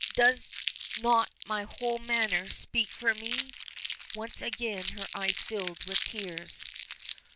"Does not my whole manner speak for me?" Once again her eyes filled with tears.